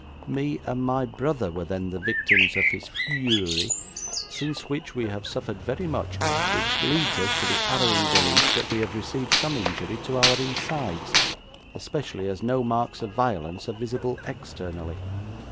'Me and my brother were then the victims of his feury since which we have suffered very much which leads us to the arrowing belief that we have received some injury in our insides, especially as no marks of violence are visible externally.